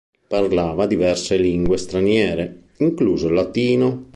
Parlava diverse lingue straniere, incluso il latino.